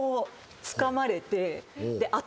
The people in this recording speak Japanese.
手つかまれて頭